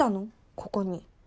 ここに。